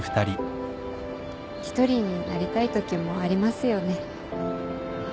一人になりたいときもありますよね。